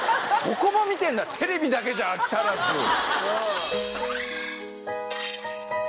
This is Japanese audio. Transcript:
そこも見てんだテレビだけじゃ飽き足らず。